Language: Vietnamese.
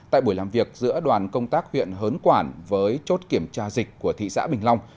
tại buổi làm việc giữa đoàn công tác huyện hớn quản với chốt kiểm tra dịch của thị xã bình long